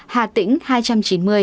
hà tĩnh hai trăm chín mươi